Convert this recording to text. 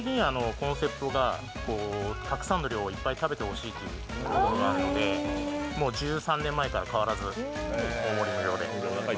コンセプトがたくさんの量をいっぱい食べてほしいというのがあるので１３年前から変わらず大盛り無料で。